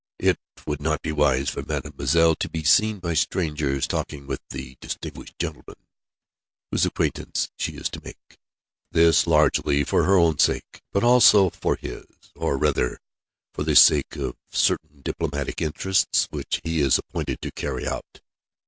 "It would not be wise for Mademoiselle to be seen by strangers talking with the distinguished gentleman, whose acquaintance she is to make. This, largely for her own sake; but also for his, or rather, for the sake of certain diplomatic interests which he is appointed to carry out.